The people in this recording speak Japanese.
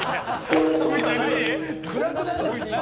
暗くなる。